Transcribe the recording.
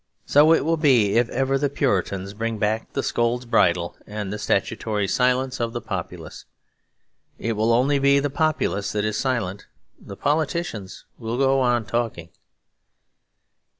So it will be if ever the Puritans bring back the Scold's Bridle and the statutory silence of the populace. It will only be the populace that is silent. The politicians will go on talking.